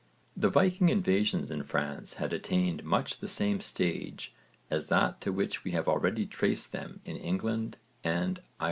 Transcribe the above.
The Viking invasions in France had attained much the same stage as that to which we have already traced them in England and Ireland.